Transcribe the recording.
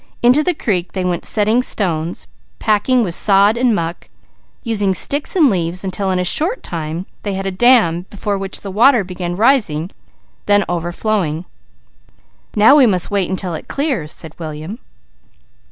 Into the creek they went setting stones, packing with sod and muck, using sticks and leaves until in a short time they had a dam before which the water began rising, then overflowing. "Now we must wait until it clears," said William.